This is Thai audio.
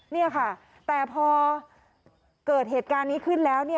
นี่ค่ะแต่พอเกิดเหตุการณ์นี้ขึ้นแล้ว